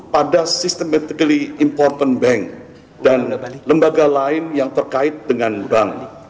pada sistem etically important bank dan lembaga lain yang terkait dengan bank